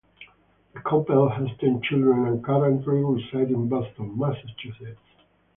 The couple has ten children and currently reside in Boston, Massachusetts.